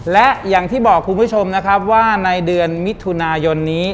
และอย่างที่บอกคุณผู้ชมนะครับว่าในเดือนมิถุนายนนี้